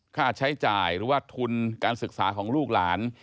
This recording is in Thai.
ค่าใช้จ่ายหรือว่าทุนการศึกษาของลูกหลาน